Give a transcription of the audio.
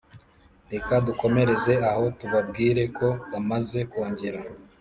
reka dukomereze aho tubabwire ko bamaze kongera